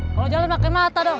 oi kalo jalan pake mata dong